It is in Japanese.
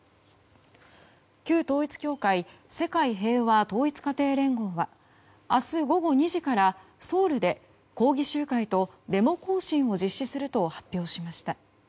旧統一教会世界平和統一家庭連合は明日午後２時から、ソウルで抗議集会とデモ行進を実施すると発表しました。